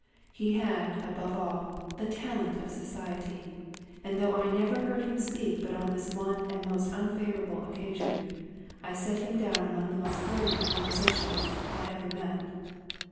He had, above all, the talent of society; and though I never heard him speak but on this one and most unfavorable oc casion, I set him down among the most brilliant conversa tionalists I ever met.